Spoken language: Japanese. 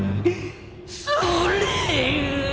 それ！